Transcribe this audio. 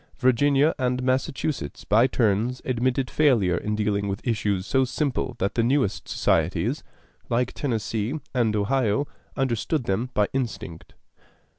Virginia and Massachusetts by turns admitted failure in dealing with issues so simple that the newest societies, like Tennessee and Ohio, understood them by instinct.